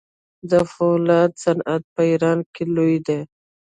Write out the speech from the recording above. د فولادو صنعت په ایران کې لوی دی.